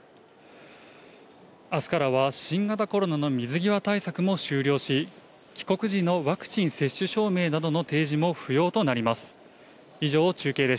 あすからは新型コロナの水際対策も終了し、帰国時のワクチン接種証明などの提示も不要となります。